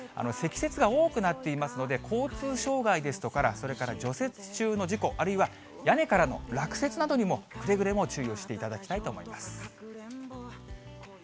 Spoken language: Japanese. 積雪が多くなっていますので、交通障害ですとか、それから除雪中の事故、あるいは屋根からの落雪などにも、くれぐれも注意をしていただきたいと思います。